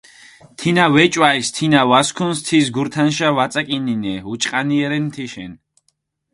თინა ვეჭვალს, თინა ვასქუნს, თის გურთანშა ვაწაკინინე, უჭყანიე რენ თიშენ.